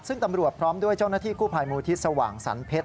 ซึ่งตำรวจพร้อมด้วยเจ้าหน้าที่กู้ภัยมูลทิศสว่างสรรเพชร